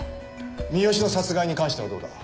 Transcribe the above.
三好の殺害に関してはどうだ？